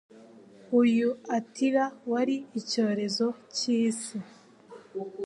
uyu Attila wari icyorezo cyisi